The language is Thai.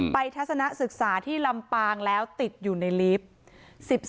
ทัศนศึกษาที่ลำปางแล้วติดอยู่ในลิฟต์